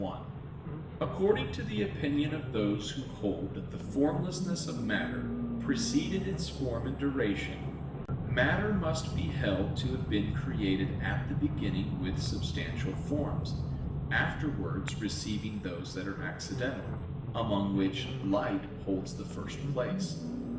1: According to the opinion of those who hold that the formlessness of matter preceded its form in duration, matter must be held to have been created at the beginning with substantial forms, afterwards receiving those that are accidental, among which light holds the first place.